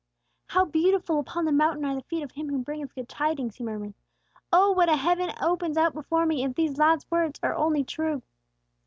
"How beautiful upon the mountain are the feet of him who bringeth good tidings!" he murmured. "Oh, what a heaven opens out before me, if this lad's words are only true!"